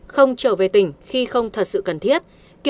không trở về tỉnh khi không thật sự cần thiết